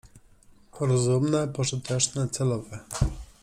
Rozumne, pożyteczne — celowe.